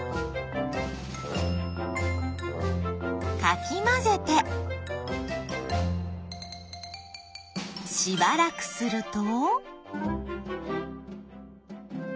かきまぜてしばらくすると。